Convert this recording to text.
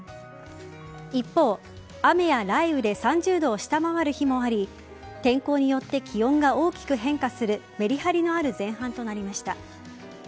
一方、雨や雷雨で３０度を下回る日もあり天候によって気温が大きく変化するメリハリのある前半となりました。